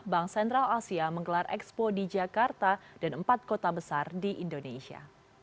bank sentral asia menggelar expo di jakarta dan empat kota besar di indonesia